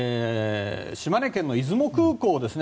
島根県の出雲空港ですね。